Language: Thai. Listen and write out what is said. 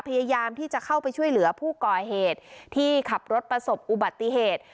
พยายามที่จะเข้าไปช่วยเหลือผู้ก่อเหตุที่ขับรถประสบอุบัติเหตุ